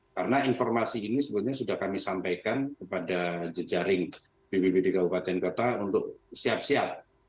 karena informasi ini sebetulnya sudah kami sampaikan kepada jejaring bwb di kabupaten kota untuk siap siap